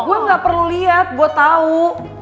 gue gak perlu liat gue tau